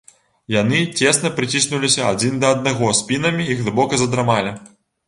Яны цесна прыціснуліся адзін да аднаго спінамі і глыбока задрамалі.